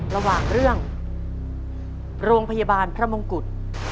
ระหว่างเรื่องโรงพยาบาลพระมงกุฎ